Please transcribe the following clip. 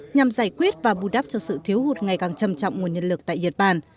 nhằm giải quyết và bù đắp cho sự thiếu hụt ngày càng trầm trọng nguồn nhân lực tại nhật bản